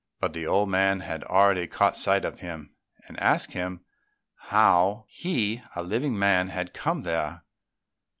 But the old man had already caught sight of him, and asked him how he, a living man, had come there.